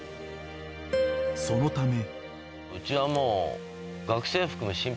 ［そのため］